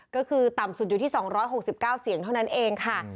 ก็คือต่ำสุดอยู่ที่๒๖๙เสียงเท่านั้นเองค่ะ